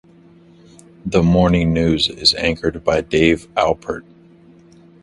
The morning news is anchored by Dave Alpert.